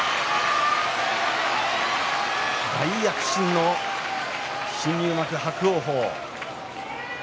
大躍進の新入幕伯桜鵬。